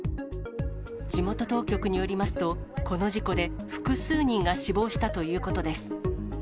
地元当局によりますと、この事故で複数人が死亡したということです。